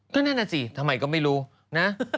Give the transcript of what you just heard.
ก็แน่สิทำไมก็ไม่รู้นะ